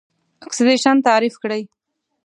اکسیدیشن تعریف کړئ.